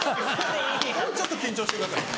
もうちょっと緊張してください。